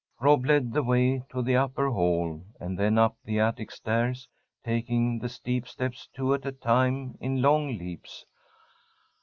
Rob led the way to the upper hall, and then up the attic stairs, taking the steep steps two at a time in long leaps.